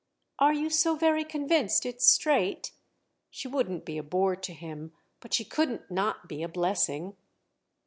"Are you so very convinced it's straight?"—she wouldn't be a bore to him, but she couldn't not be a blessing.